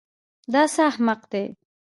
دا څه احمق دی.